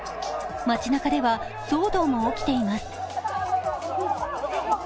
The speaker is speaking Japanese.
街中では騒動が起きています。